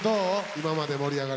今まで盛り上がり